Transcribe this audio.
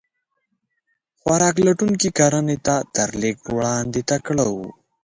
خوراک لټونکي کرنې ته تر لېږد وړاندې تکړه وو.